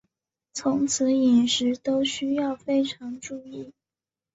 从此饮食都需要非常注意